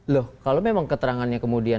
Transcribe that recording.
loh kalau memang keterangannya kemudian